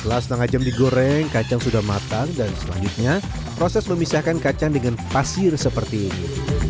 setelah setengah jam digoreng kacang sudah matang dan selanjutnya proses memisahkan kacang dengan pasir seperti ini